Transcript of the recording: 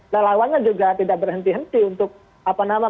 nah lawannya juga tidak berhenti henti untuk apa nama